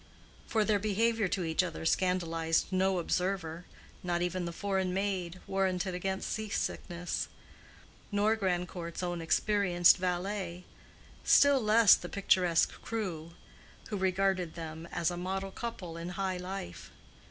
For their behavior to each other scandalized no observer—not even the foreign maid, warranted against sea sickness; nor Grandcourt's own experienced valet: still less the picturesque crew, who regarded them as a model couple in high life.